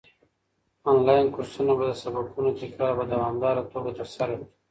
انلاين کورسونه به د سبقونو تکرار په دوامداره توګه ترسره کړي.